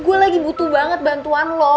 gue lagi butuh banget bantuan lo